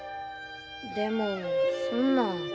でもそんなん。